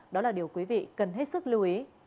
đó là điều quý vị cần hết sức lưu ý